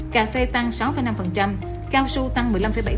cà phê tăng sáu năm cao su tăng một mươi năm bảy